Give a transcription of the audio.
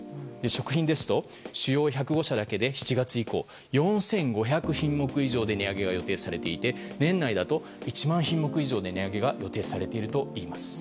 食品ですと主要１０５社だけで７月以降４５００品目以上で値上げが予定されていて年内だと１万品目以上値上げが予定されています。